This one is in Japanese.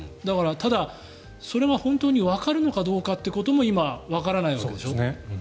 ただ、それが本当にわかるのかどうかということも今、わからないわけでしょ。